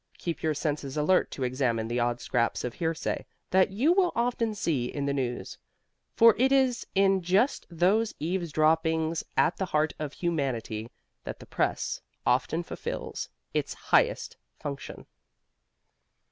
Keep your senses alert to examine the odd scraps of hearsay that you will often see in the news, for it is in just those eavesdroppings at the heart of humanity that the press often fulfills its highest function.